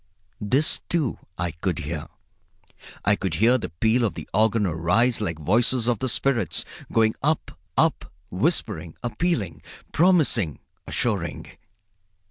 This, too, I could hear. I could hear the peal of the organ arise like voices of the spirits, going up, up, whispering, appealing, promising, assuring.